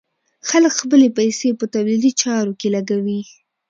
خلک خپلې پيسې په تولیدي چارو کې لګوي.